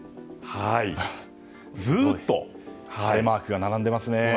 ずっとマークが並んでますね。